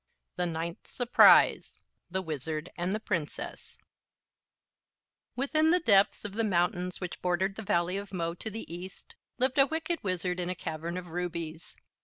The Ninth Surprise THE WIZARD AND THE PRINCESS Within the depths of the mountains which bordered the Valley of Mo to the east lived a Wicked Wizard in a cavern of rubies.